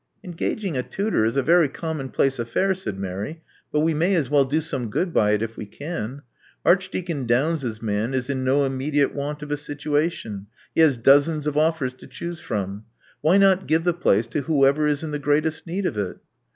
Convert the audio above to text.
Engaging a tutor is a very commonplace affair," said Mary; but we may as well do some good by it if we can. Archdeacon Downes's man is in no immedi ate want of a situation: he has dozens of offers to choose from. Why not give the place to whoever is in the greatest need of it?"